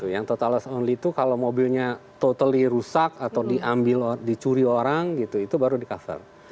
yang total loss only itu kalau mobilnya totally rusak atau diambil dicuri orang gitu itu baru di cover